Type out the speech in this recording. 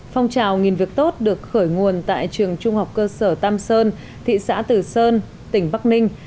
phong trào nghìn việc tốt được khởi nguồn tại trường trung học cơ sở tam sơn thị xã tử sơn tỉnh bắc ninh